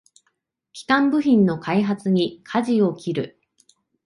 基幹部品の開発にかじを切る